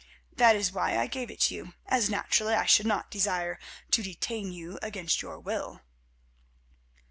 That is why I gave it you, as naturally I should not desire to detain you against your will."